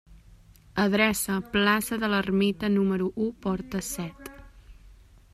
Adreça: plaça de l'Ermita, número u, porta set.